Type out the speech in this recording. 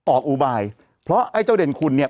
อุบายเพราะไอ้เจ้าเด่นคุณเนี่ย